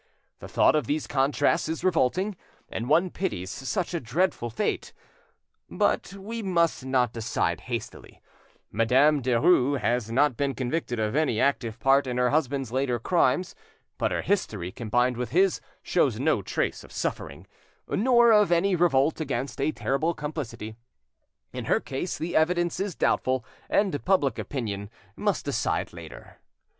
The thought of these contrasts is revolting, and one pities such a dreadful fate. But we must not decide hastily. Madame Denies has not been convicted of any active part in her husband's later crimes, but her history, combined with his, shows no trace of suffering, nor of any revolt against a terrible complicity. In her case the evidence is doubtful, and public opinion must decide later.